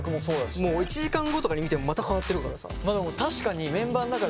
もう１時間後とかに見てもまた変わってるからさ。